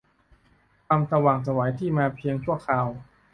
ความสว่างไสวที่มาเพียงชั่วคราว